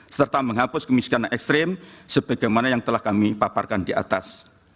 serta menghapus kemiskinan ekstrim sebagaimana yang telah kami paparkan di atas